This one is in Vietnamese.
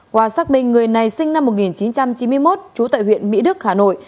qua xác minh người này sinh năm một nghìn chín trăm chín mươi một trú tại huyện mỹ đức hà nội